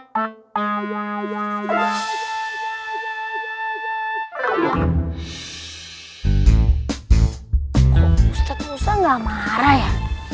kok ustadz musa nggak marah ya